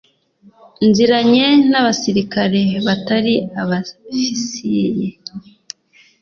nziranye n'abasrikare batari abofisiye